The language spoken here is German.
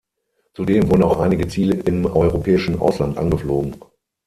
Zudem wurden auch einige Ziele im europäischen Ausland angeflogen.